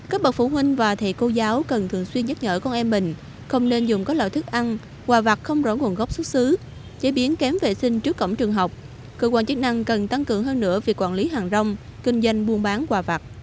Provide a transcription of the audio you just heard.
các bậc phụ huynh và thầy cô giáo cần thường xuyên nhắc nhở con em mình không nên dùng các loại thức ăn quả vặt không rõ nguồn gốc xuất xứ